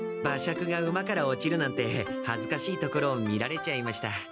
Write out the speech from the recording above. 馬借が馬から落ちるなんてはずかしいところを見られちゃいました。